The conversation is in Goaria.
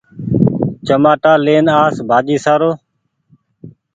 چمآٽا لين آس ڀآڃي سآرو